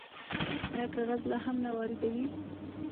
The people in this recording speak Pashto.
آیا کاغذ لا هم نه واردوي؟